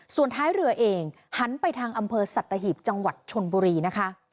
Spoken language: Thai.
ส่วนท้ายเรือเองหันไปทางอำเภอสัตหีบจังหวัดชนบุรีนะคะ